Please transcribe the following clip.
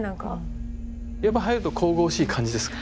やっぱ入ると神々しい感じですか？